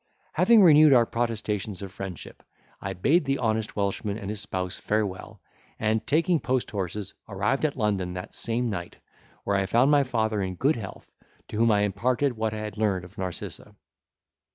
Having renewed our protestations of friendship, I bade the honest Welshman and his spouse farewell, and, taking post horses, arrived at London that same night, where I found my father in good health, to whom I imparted what I had learned of Narcissa.